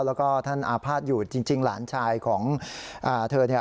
แล้วก็ท่านอาพาตอยู่จริงหลานชายของเธอ